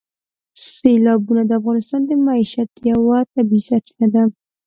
سیلابونه د افغانانو د معیشت یوه طبیعي سرچینه ده.